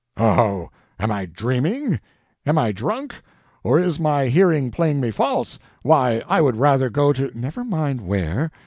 "Oh, am I dreaming? Am I drunk—or is my hearing playing me false? Why, I would rather go to—" "Never mind where.